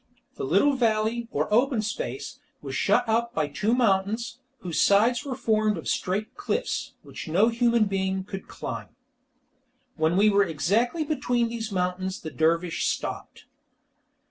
The little valley, or open space, was shut up by two mountains, whose sides were formed of straight cliffs, which no human being could climb. When we were exactly between these mountains the dervish stopped.